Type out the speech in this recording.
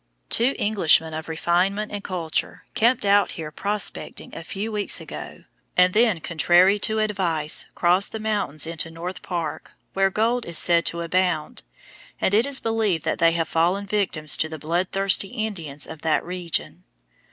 Two Englishmen of refinement and culture camped out here prospecting a few weeks ago, and then, contrary to advice, crossed the mountains into North Park, where gold is said to abound, and it is believed that they have fallen victims to the bloodthirsty Indians of the region.